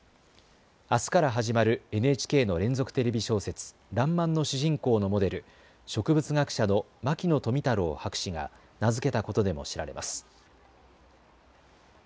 あすから始まるＮＨＫの連続テレビ小説、らんまんの主人公のモデル、植物学者の牧野富太郎博士が名付けたことでも知られます。